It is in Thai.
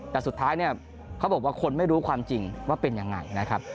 แต่สุดท้ายเนี่ยเขาบอกว่าคนไม่รู้ความจริงว่าเป็นยังไงนะครับ